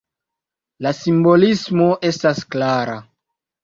La simbolismo estas klara.